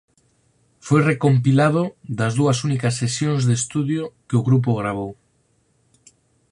Foi recompilado das dúas únicas sesións de estudio que o grupo gravou.